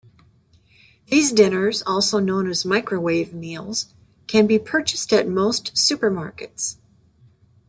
These dinners, also known as microwave meals, can be purchased at most supermarkets.